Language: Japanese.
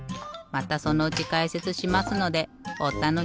またそのうちかいせつしますのでおたのしみに。